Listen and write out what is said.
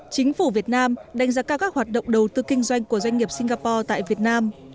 chính phủ việt nam đánh giá cao các hoạt động đầu tư kinh doanh của doanh nghiệp singapore tại việt nam